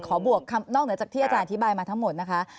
บวกคำนอกเหนือจากที่อาจารย์อธิบายมาทั้งหมดนะคะ